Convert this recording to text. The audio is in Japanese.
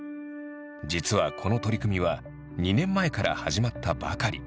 実はこの取り組みは２年前から始まったばかり。